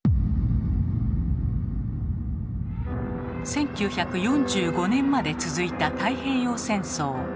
１９４５年まで続いた太平洋戦争。